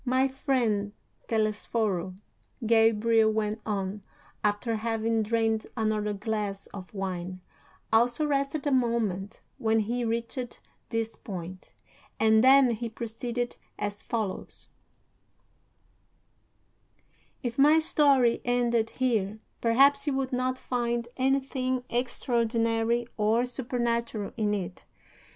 "'" IV. "My friend Telesforo," Gabriel went on, after having drained another glass of wine, "also rested a moment when he reached this point, and then he proceeded as follows: "'If my story ended here, perhaps you would not find anything extraordinary or supernatural in it.